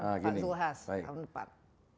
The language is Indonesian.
pak zulhas tahun depan